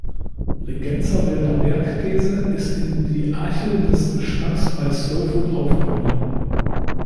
Bregenzerwälder Bergkäse ist in die Arche des Geschmacks bei Slow Food aufgenommen.